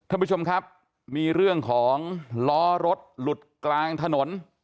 ท่านผู้ชมครับมีเรื่องของล้อรถหลุดกลางถนน